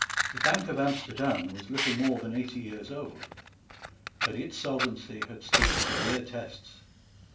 The Bank of Amsterdam was little more than eighty years old; but its solvency had stood severe tests.